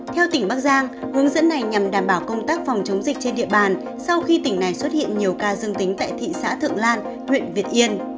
theo tỉnh bắc giang hướng dẫn này nhằm đảm bảo công tác phòng chống dịch trên địa bàn sau khi tỉnh này xuất hiện nhiều ca dương tính tại thị xã thượng lan huyện việt yên